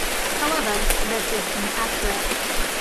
However, this is inaccurate.